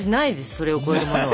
それを超えるものは。